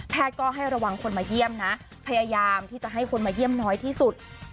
ก็ให้ระวังคนมาเยี่ยมนะพยายามที่จะให้คนมาเยี่ยมน้อยที่สุด